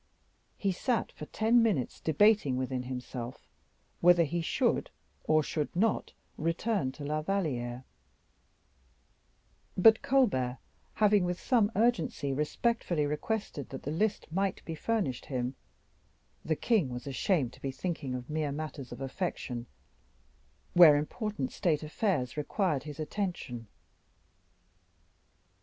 He sat for ten minutes debating within himself whether he should or should not return to La Valliere; but Colbert having with some urgency respectfully requested that the list might be furnished him, the king was ashamed to be thinking of mere matters of affection where important state affairs required his attention.